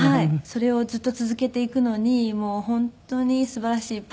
それをずっと続けていくのに本当にすばらしいパートナーです。